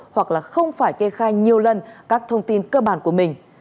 hoặc là không phải kê khai nhiều lần các thông tin cơ bản của mình